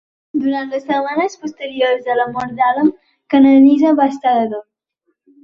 Durant les setmanes posteriors a la mort d'Alem, Kenenisa va estar de dol.